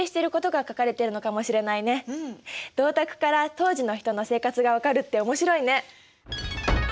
銅鐸から当時の人の生活が分かるって面白いね。